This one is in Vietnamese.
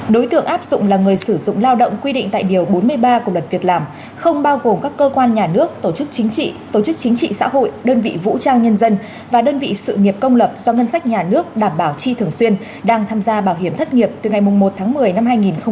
đối tượng áp dụng là người sử dụng lao động quy định tại điều bốn mươi ba của luật việc làm không bao gồm các cơ quan nhà nước tổ chức chính trị tổ chức chính trị xã hội đơn vị vũ trang nhân dân và đơn vị sự nghiệp công lập do ngân sách nhà nước đảm bảo tri thường xuyên đang tham gia bảo hiểm thất nghiệp từ ngày một tháng một mươi năm hai nghìn một mươi chín